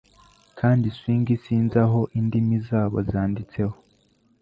Kandi swing sinzi aho. Indimi zabo zanditseho